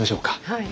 はい。